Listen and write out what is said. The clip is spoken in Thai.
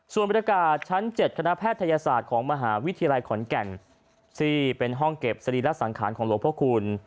ส่วนบรรยากาศชั้น๗คณะแพทยศาสตร์ของมหาวิทยาลัยขอนแก่นซึ่งเป็นห้องเก็บสรีระสังขารของหลวงพระคุณ